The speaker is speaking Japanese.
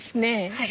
はい！